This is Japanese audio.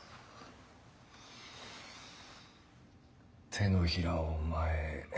手のひらを前へ。